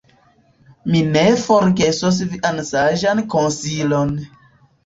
Mi ne forgesos vian saĝan konsilon.